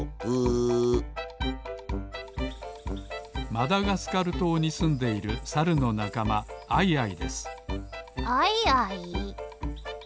マダガスカルとうにすんでいるサルのなかまアイアイですアイアイ？